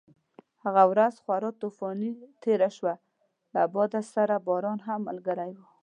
هغه ورځ خورا طوفاني تېره شوه، له باد سره باران هم ملګری و.